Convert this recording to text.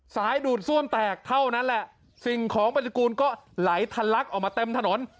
ดูดซ่วมแตกเท่านั้นแหละสิ่งของปฏิกูลก็ไหลทะลักออกมาเต็มถนน